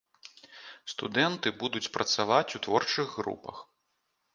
Студэнты будуць працаваць у творчых групах.